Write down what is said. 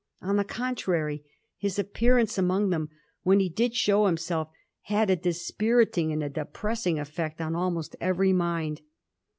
On the contrary, his appearance among them, when he did show himself, had a dispiriting and a depressing effect on almost every mind.